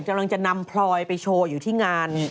กำลังจะนำพลอยไปโชว์อยู่ที่งาน